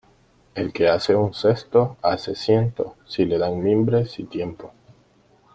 El que hace un cesto hace ciento, si le dan mimbres y tiempo.